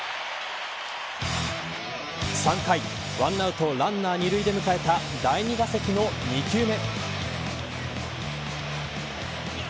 ３回１アウト、ランナー２塁で迎えた第２打席の２球目。